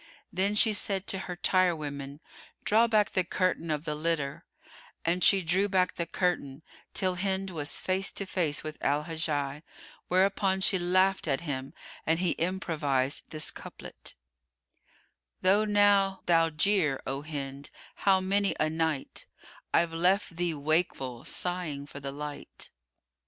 Then she said to her tirewoman, "Draw back the curtain of the litter;" and she drew back the curtain, till Hind was face to face with Al Hajjaj, whereupon she laughed at him and he improvised this couplet, "Though now thou jeer, O Hind, how many a night * I've left thee wakeful sighing for the light."